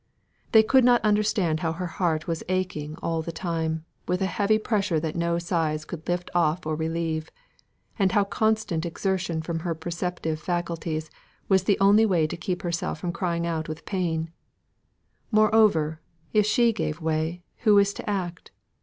They could not understand how her heart was aching all the time, with a heavy pressure that no sighs could lift off or relieve, and how constant exertion for her perceptive faculties was the only way to keep herself from crying out with pain. Moreover, if she gave way, who was to act?